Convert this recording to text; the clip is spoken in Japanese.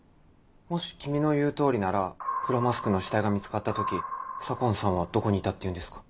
もし君の言う通りなら黒マスクの死体が見つかった時左紺さんはどこにいたっていうんですか？